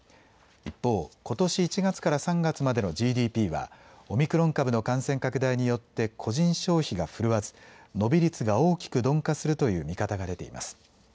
一方、ことし１月から３月までのＧＤＰはオミクロン株の感染拡大によって個人消費が振るわず伸び率が大きく鈍化するという見方が出ています。